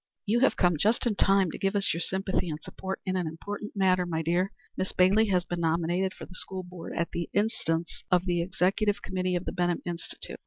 "You have come just in time to give us your sympathy and support in an important matter, my dear. Miss Bailey has been nominated for the School Board at the instance of the Executive Committee of the Benham Institute.